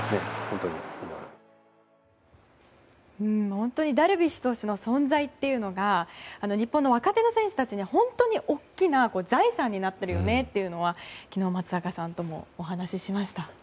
本当にダルビッシュ投手の存在というのが日本の若手の選手たちに本当に大きな財産になっているよねというのは昨日、松坂さんともお話ししました。